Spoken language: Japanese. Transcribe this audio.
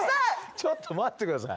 ちょっと待って下さい。